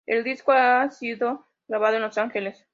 El disco ha sido grabado en Los Ángeles.